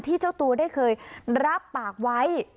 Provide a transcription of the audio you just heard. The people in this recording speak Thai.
เจ้าตัวได้เคยรับปากไว้